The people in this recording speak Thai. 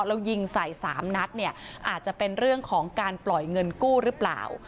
แล้วยิงใส่๓นัดเนี่ยอาจจะเป็นเรื่องของการปล่อยเงินกู้หรือเปล่า